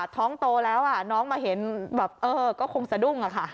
ท้องโตแล้วน้องมาเห็นแบบเออก็คงสะดุ้งอะค่ะ